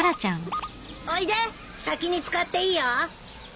おいで先に使っていいよ。